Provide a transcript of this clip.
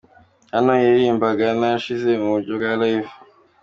Hano yaririmbaga Narashize mu buryo bwa Live.